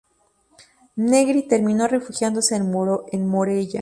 Negri terminó refugiándose en Morella.